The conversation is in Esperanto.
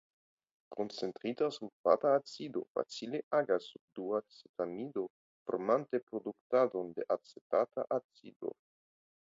Koncentrita sulfata acido facile agas sur duacetamido formante produktadon de acetata acido.